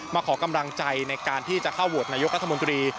ขอกำลังใจในการที่จะเข้าโหวตนายกรัฐมนตรี